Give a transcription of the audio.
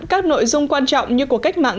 các nội dung quan trọng như của cách mạng